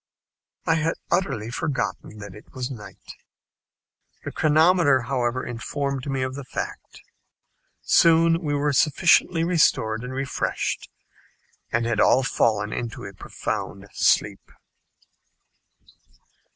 I had utterly forgotten that it was night. The chronometer, however, informed me of the fact. Soon we were sufficiently restored and refreshed, and had all fallen into a profound sleep.